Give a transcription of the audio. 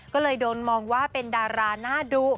ก็เลยโดนมองว่าเป็นดาราหน้าดุ